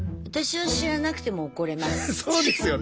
私は知らなくても怒れます。